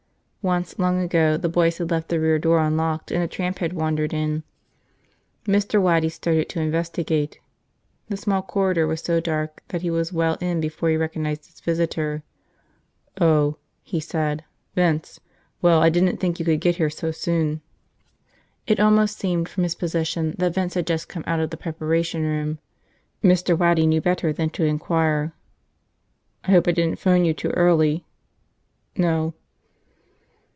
Once, long ago, the boys had left the rear door unlocked and a tramp had wandered in. Mr. Waddy started to investigate. The small corridor was so dark that he was well in before he recognized his visitor. "Oh," he said. "Vince. Well. I didn't think you could get here so soon." It almost seemed, from his position, that Vince had just come out of the preparation room. Mr. Waddy knew better than to inquire. "I hope I didn't phone you too early." "No."